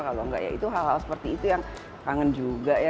kalau enggak ya itu hal hal seperti itu yang kangen juga ya